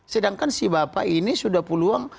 sedangkan si bapak ini sudah peluang